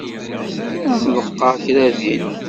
Ad nḍeqqer kra din.